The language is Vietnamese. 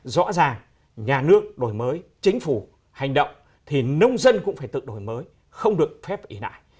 rõ ràng nhà nước đổi mới chính phủ hành động thì nông dân cũng phải tự đổi mới không được phép ý nại